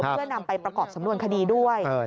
เพื่อนำไปประกอบสำนวนคดีด้วย